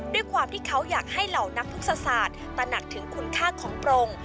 ด้วยความที่เขาอยากให้เหล่านักพฤกษศาสตร์ตระหนักถึงคุณค่าของพระองค์